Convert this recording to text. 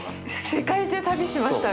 世界中旅しましたね。